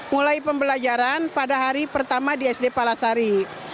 mulai pembelajaran pada hari pertama di sd palasari